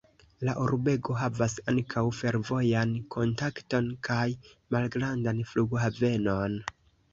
La urbego havas ankaŭ fervojan kontakton kaj malgrandan flughavenon.